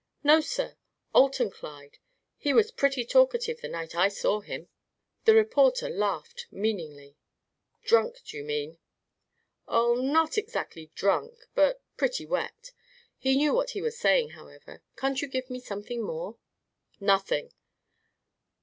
"No, sir. Alton Clyde! He was pretty talkative the night I saw him." The reporter laughed, meaningly. "Drunk, do you mean?" "Oh, not exactly drunk, but pretty wet. He knew what he was saying, however. Can't you give me something more?" "Nothing."